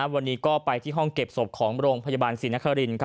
วันนี้ก็ไปที่ห้องเก็บศพของโรงพยาบาลศรีนคริน